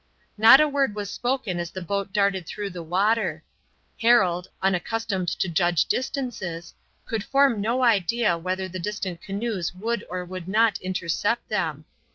Not a word was spoken as the boat darted through the water. Harold, unaccustomed to judge distances, could form no idea whether the distant canoes would or would not intercept them.